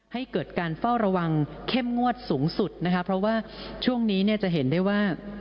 ให้เกิดการเฝ้าระวังเข้มงวดสูงสุดนะคะเพราะว่าช่วงนี้เนี่ยจะเห็นได้ว่า